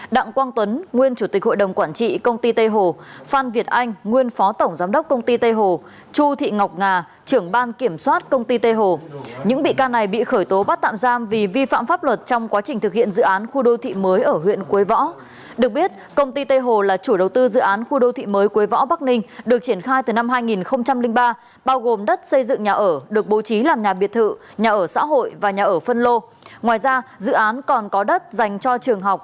đặng quang tuấn nguyên chủ tịch hội đồng quản trị công ty tê hồ phan việt anh nguyên phó tổng giám đốc công ty tê hồ